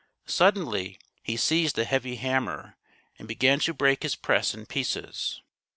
Suddenly he seized a heavy hammer and began to break his press in pieces.